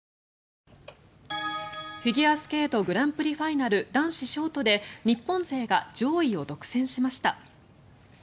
フィギュアスケートグランプリファイナル男子ショートで日本勢が上位を独占しました。